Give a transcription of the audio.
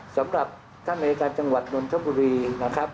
สำหรับท่านอายการจังหวัดนนทบุรีนะครับ